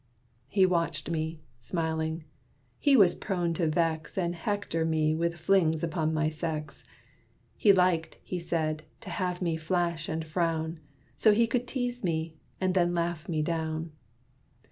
'" He watched me, smiling. He was prone to vex And hector me with flings upon my sex. He liked, he said, to have me flash and frown, So he could tease me, and then laugh me down.